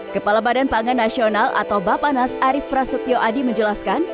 kepala badan pangan nasional atau bapak nas arief prasetyo adi menjelaskan